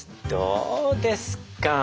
どうですか？